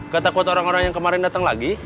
ketakut orang orang yang kemarin datang lagi